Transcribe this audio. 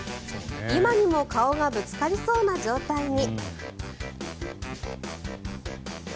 今にも顔がぶつかりそうな状態に。